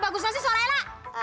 apa bagusnya sih suara ella